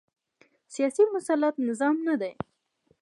سیاسي مسلط نظام نه دی